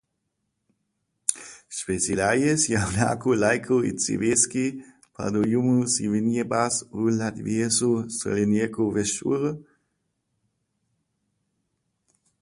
Specializējies jaunāko laiku, it sevišķi Padomju Savienības un latviešu strēlnieku vēsturē.